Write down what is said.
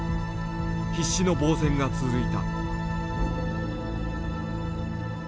必死の防戦が続いた。